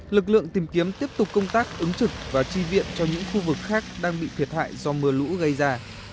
lực lượng tìm kiếm tiếp tục công tác ứng trực và tri viện cho những khu vực khác đang bị thiệt hại do mưa lũ gây ra